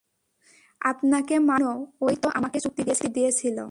আপনাকে মারার জন্য ওই তো আমাকে চুক্তি দিয়েছিল।